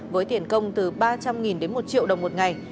với tiền công từ ba trăm linh đến một triệu đồng một ngày